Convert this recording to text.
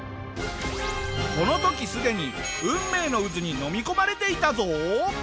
この時すでに運命の渦にのみ込まれていたぞ！